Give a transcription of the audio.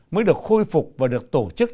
mới được khôi phục và được tổ chức